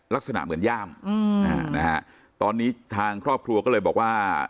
ลักษณะเหมือนย่ามตอนนี้ทางครอบครัวก็เลยบอกว่า